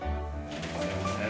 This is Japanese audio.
すいません。